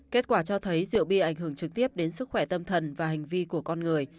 kết quả cho thấy rượu bia ảnh hưởng trực tiếp đến sức khỏe tâm thần và hành vi của con người